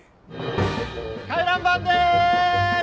回覧板でーす！